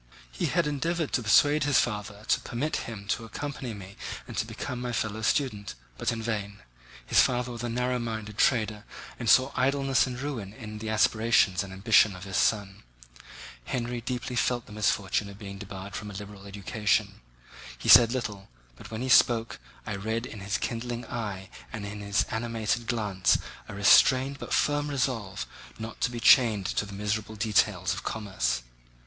He had endeavoured to persuade his father to permit him to accompany me and to become my fellow student, but in vain. His father was a narrow minded trader and saw idleness and ruin in the aspirations and ambition of his son. Henry deeply felt the misfortune of being debarred from a liberal education. He said little, but when he spoke I read in his kindling eye and in his animated glance a restrained but firm resolve not to be chained to the miserable details of commerce.